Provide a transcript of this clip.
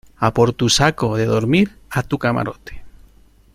a por tu saco de dormir a tu camarote.